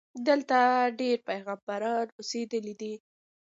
دلته ډېر پیغمبران اوسېدلي دي.